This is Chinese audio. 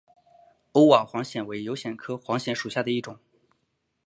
欧瓦黄藓为油藓科黄藓属下的一个种。